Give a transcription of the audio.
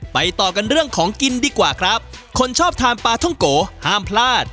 ต่อกันเรื่องของกินดีกว่าครับคนชอบทานปลาท่องโกห้ามพลาด